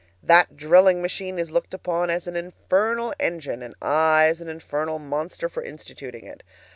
That drilling machine is looked upon as an infernal engine, and I as an infernal monster for instituting it.